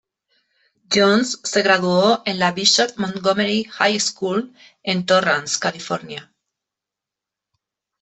Jones se graduó de la Bishop Montgomery High School en Torrance, California.